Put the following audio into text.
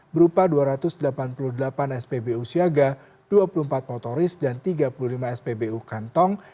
berupa dua ratus delapan puluh delapan spbu siaga dua puluh empat motoris dan tiga puluh lima spbu kantong